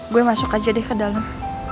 gue masuk aja deh ke dalam